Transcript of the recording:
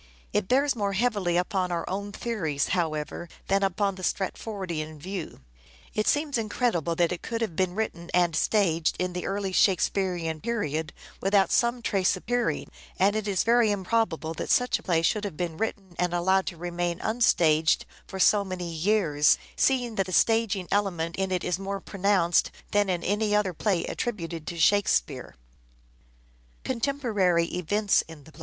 It bears more heavily upon our own theories, however, than upon the Stratfordian view. It seems incredible that it could have been written and staged in the early Shakespearean period without some trace apppearing, and it is very improbable that such a play should have been written and allowed to remain unstaged for many years, seeing that the staging element in it is more pronounced than in any other play attributed to " Shakespeare."